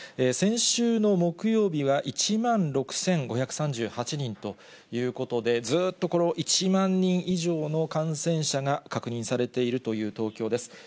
先週の木曜日は１万６５３８人ということで、ずっと１万人以上の感染者が確認されているという東京です。